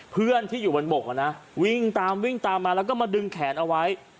เพื่อนที่อยู่บนบกวิ่งตามวิ่งตามมาแล้วก็มาดึงแขนเอาไว้